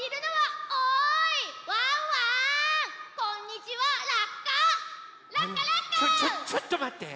ちょっとまって！